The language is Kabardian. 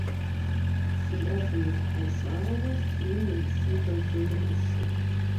Фи Ӏэр фымытхьэщӀауэ фи нэм, фи пэм фемыӀусэ.